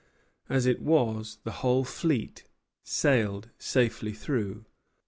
As it was, the whole fleet sailed safely through.